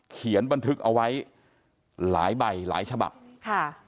เขียนบันทึกเอาไว้หลายใบหลายฉบับค่ะ